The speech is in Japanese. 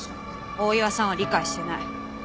大岩さんは理解してない。